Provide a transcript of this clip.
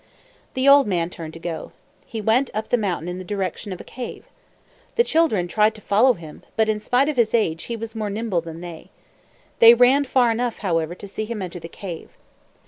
The old man turned to go. He went up the mountain in the direction of a cave. The children tried to follow him, but in spite of his age he was more nimble than they. They ran far enough, however, to see him enter the cave.